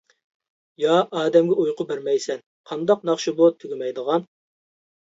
يا ئادەمگە ئۇيقۇ بەرمەيسەن، قانداق ناخشا بۇ تۈگىمەيدىغان؟ !